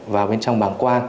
vào bên trong bằng quang